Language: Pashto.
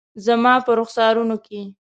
زما په رخسارونو کې